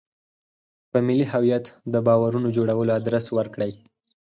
په ملي هویت د باورونو جوړولو ادرس ورکړي.